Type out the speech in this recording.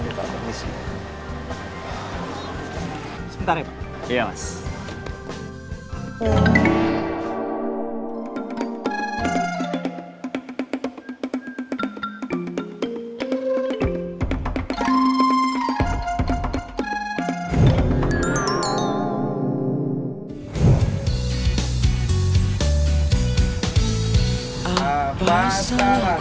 sebentar ya pak